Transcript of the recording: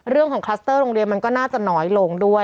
คลัสเตอร์โรงเรียนมันก็น่าจะน้อยลงด้วย